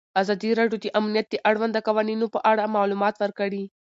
ازادي راډیو د امنیت د اړونده قوانینو په اړه معلومات ورکړي.